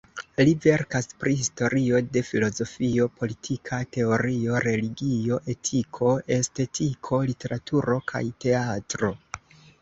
Li verkas pri historio de filozofio, politika teorio, religio, etiko, estetiko, literaturo kaj teatro.